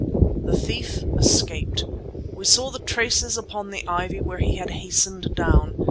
The thief escaped. We saw the traces upon the ivy where he had hastened down.